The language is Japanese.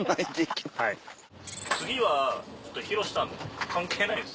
次は博さん関係ないです。